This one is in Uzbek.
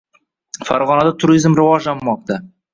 Farg‘onada turizm rivojlanmoqda